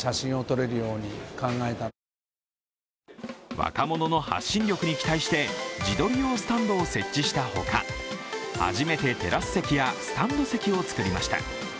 若者の発信力に期待して自撮り用スタンドを設置したほか初めてテラス席やスタンド席をつくりました。